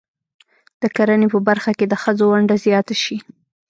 د کرنې په برخه کې د ښځو ونډه زیاته شي.